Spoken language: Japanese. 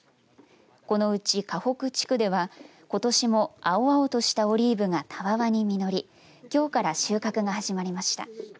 このうち河北地区ではことしも青々としたオリーブがたわわに実りきょうから収穫が始まりました。